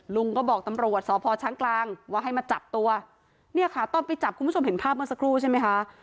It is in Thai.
ลุงก็บอกตำรวจสพช้างกลางว่าให้มาจับตัวเนี่ยค่ะตอนไปจับคุณผู้ชมเห็นภาพเมื่อสักครู่ใช่ไหมคะ